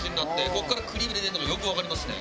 ここからクリーム入れてるのがよくわかりますね。